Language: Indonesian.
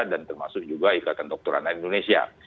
dan termasuk juga ikatan dokteran indonesia